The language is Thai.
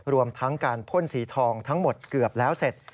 รวมทั้งการพ่นสีทองทั้งหมดเกือบแล้วเสร็จ